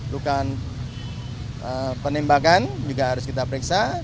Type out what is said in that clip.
lukaan penembakan juga harus kita periksa